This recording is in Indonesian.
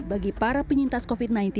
bagi para penyintas covid sembilan belas